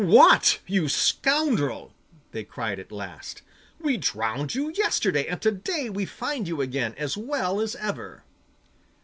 'What! you scoundrel!' they cried at last, 'we drowned you yesterday, and to day we find you again, as well as ever!